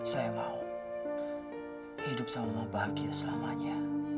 saya mau hidup sama bahagia selamanya